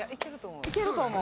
いけると思う。